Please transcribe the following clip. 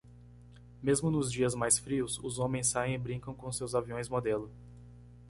Mesmo nos dias mais frios, os homens saem e brincam com seus aviões modelo.